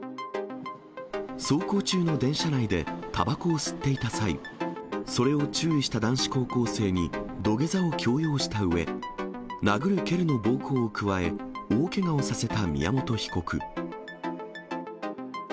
走行中の電車内でたばこを吸っていた際、それを注意した男子高校生に土下座を強要したうえ、殴る蹴るの暴行を加え、大けがをさせた宮本被告。